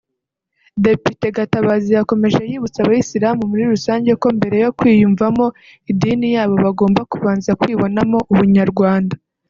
Depite Gatabazi yakomeje yibutsa abayisilamu muri rusange ko mbere yo kwiyumvamo idini yabo bagomba kubanza kwibonamo Ubunyarwanda